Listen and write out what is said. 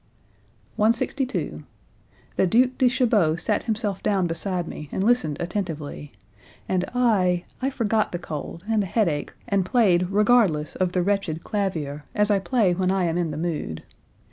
162. "The Duke de Chabot sat himself down beside me and listened attentively; and I I forgot the cold, and the headache and played regardless of the wretched clavier as I play when I am in the mood.